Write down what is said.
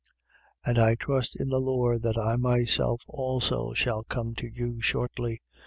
2:24. And I trust in the Lord that I myself also shall come to you shortly.